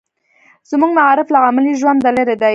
زموږ معارف له عملي ژونده لرې دی.